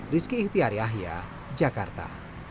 rizky ihtiyar yahya jakarta